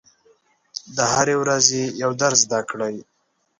د هرې ورځې یو درس زده کړئ.